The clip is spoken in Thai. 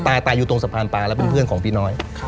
ตายตายอยู่ตรงสะพานปลาแล้วเป็นเพื่อนของพี่น้อย